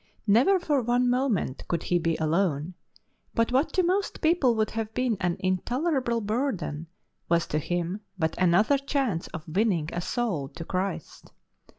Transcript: Never for one moment could he be alone; but what to most people would have been an intolerable burden was to him but another chance of winning a soul to Christ.